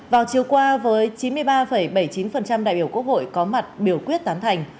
vào chiều qua với chín mươi ba bảy mươi chín đại biểu quốc hội có mặt biểu quyết tán thành